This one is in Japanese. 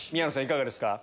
いかがですか？